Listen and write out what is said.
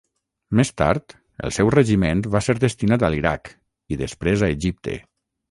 Més tard, el seu regiment va ser destinat a l'Iraq, i després a Egipte.